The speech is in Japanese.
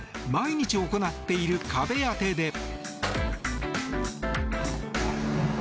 毎日行っている壁当てで。